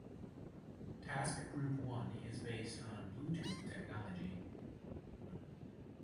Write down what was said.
Task group one is based on Bluetooth technology.